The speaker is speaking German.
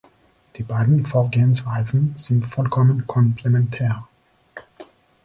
Die beiden Vorgehensweisen sind vollkommen komplementär.